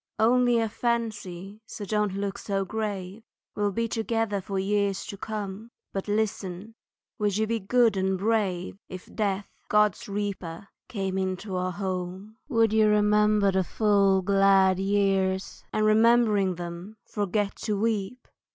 Only a fancy, so don't look grave, We'll be together for years to come, But, listen, would you be good and brave If Death, God's reaper, came into our home? Would you remember the full glad years, And remembering them forget to weep?